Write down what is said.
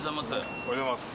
おはようございます。